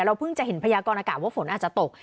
เพิ่งจะเห็นพยากรณากาศว่าฝนอาจจะตก